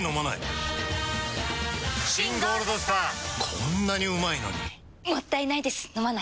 こんなにうまいのにもったいないです、飲まないと。